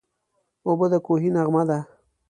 اوبه د کوهي نغمه ده.